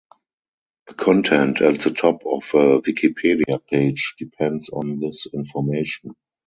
The content at the top of a Wikipedia page depends on this information.